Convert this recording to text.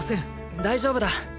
大丈夫だ。